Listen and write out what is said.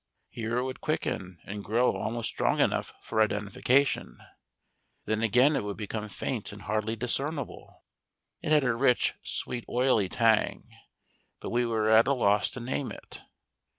Here it would quicken and grow almost strong enough for identification; then again it would become faint and hardly discernible. It had a rich, sweet oily tang, but we were at a loss to name it.